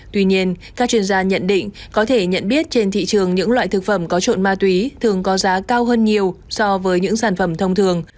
tuy nhiên các chuyên gia nhận định có thể nhận biết trên thị trường những loại thực phẩm có trộn ma túy thường có giá cao hơn nhiều so với những sản phẩm thông thường